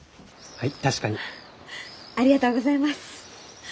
はい。